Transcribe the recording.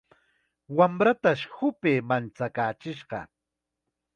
Wamratash hupay manchakaachishqa.